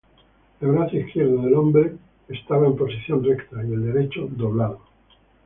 El brazo izquierdo del hombre estaba en posición recta y el derecho doblado.